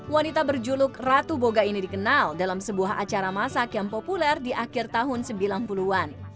wanita berjuluk ratu boga ini dikenal dalam sebuah acara masak yang populer di akhir tahun sembilan puluh an